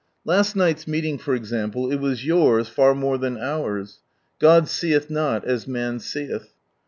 Last night's meeting, for example, it was yours far more than ours. God seeth not as man seeth.